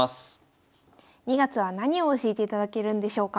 ２月は何を教えていただけるんでしょうか？